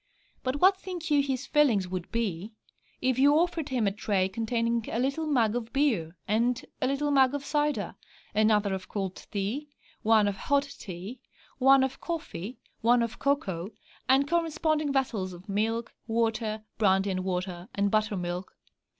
But what think you his feelings would be if you offered him a tray containing a little mug of beer, a little mug of cider, another of cold tea, one of hot tea, one of coffee, one of cocoa, and corresponding vessels of milk, water, brandy and water, and butter milk?